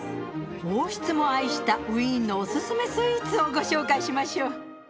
王室も愛したウィーンのおすすめスイーツをご紹介しましょう。